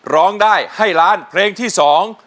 ร้องได้ให้ล้านเพลงที่สอง